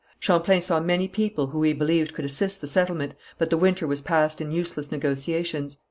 Champlain saw many people who he believed could assist the settlement, but the winter was passed in useless negotiations.